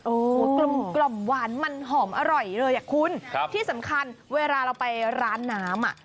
โอ้โหกลมกล่อมหวานมันหอมอร่อยเลยอ่ะคุณครับที่สำคัญเวลาเราไปร้านน้ำอ่ะ